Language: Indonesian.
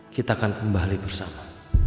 kita akan kembali bersama